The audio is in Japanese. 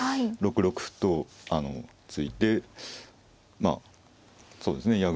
６六歩と突いてそうですね